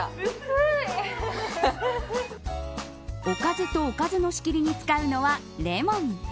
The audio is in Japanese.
おかずとおかずの仕切りに使うのはレモン。